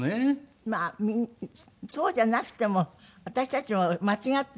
まあそうじゃなくても私たちも間違ってね。